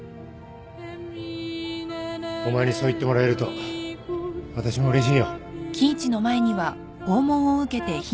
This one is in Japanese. お前にそう言ってもらえると私もうれしいよ